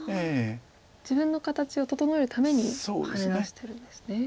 自分の形を整えるためにハネ出してるんですね。